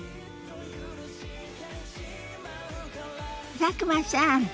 佐久間さん